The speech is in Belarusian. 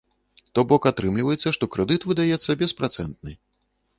То бок, атрымліваецца, што крэдыт выдаецца беспрацэнтны.